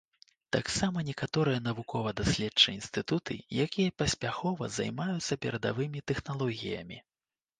Таксама некаторыя навукова-даследчыя інстытуты, якія паспяхова займаюцца перадавымі тэхналогіямі.